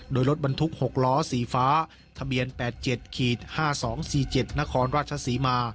โดยรถบรรทุก๖ล้อสีฟ้าทะเบียน๘๗๕๒๔๗นครราชศรีมา